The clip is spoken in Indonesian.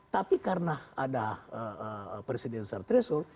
tapi karena ada presiden sartresul